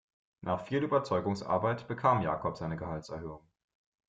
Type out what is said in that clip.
Nach viel Überzeugungsarbeit bekam Jakob seine Gehaltserhöhung.